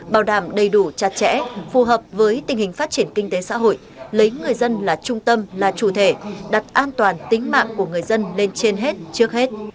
bảo đảm đầy đủ chặt chẽ phù hợp với tình hình phát triển kinh tế xã hội lấy người dân là trung tâm là chủ thể đặt an toàn tính mạng của người dân lên trên hết trước hết